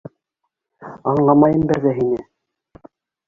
Аңламайым бер ҙә һине.